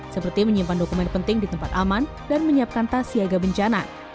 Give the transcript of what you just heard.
seperti menyimpan dokumen penting di tempat aman dan menyiapkan tas siaga bencana